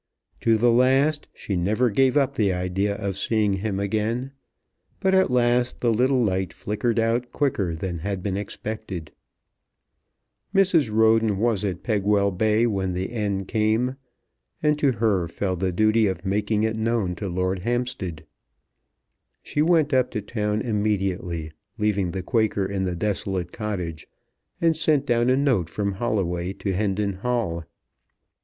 To the last she never gave up the idea of seeing him again; but at last the little light flickered out quicker than had been expected. Mrs. Roden was at Pegwell Bay when the end came; and to her fell the duty of making it known to Lord Hampstead. She went up to town immediately, leaving the Quaker in the desolate cottage, and sent down a note from Holloway to Hendon Hall.